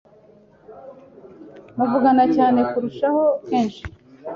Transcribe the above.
Muvugana cyane kurushaho kenshi